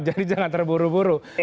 jadi jangan terburu buru